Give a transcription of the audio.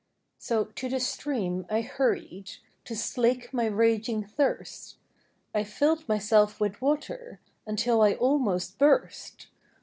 '' So to the stream I hurried, To slake my raging thirst; I filled myself with water Until I almost burst.